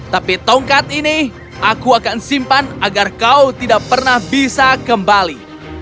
tapi tongkat ini aku akan simpan agar kau tidak pernah bisa kembali